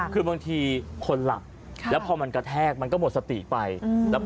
คือบางทีคนหลับแล้วพอมันกระแทกมันก็หมดสติไปแล้ว